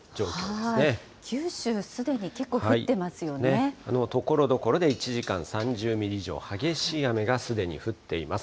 九州、すでに結構降っていまところどころで１時間３０ミリ以上、激しい雨がすでに降っています。